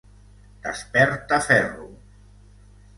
Desperta ferro!